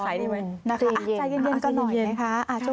ใจเย็นก็หน่อยนะคะ